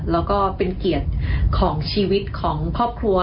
แล้วก็เป็นเกียรติของชีวิตของครอบครัว